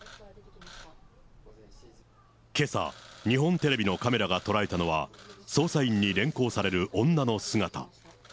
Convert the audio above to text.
けさ、日本テレビのカメラが捉えたのは、捜査員に連行される女の姿。